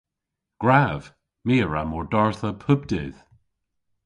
Gwrav! My a wra mordardha pub dydh.